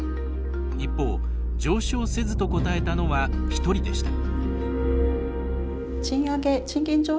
一方、「上昇せず」と答えたのは１人でした。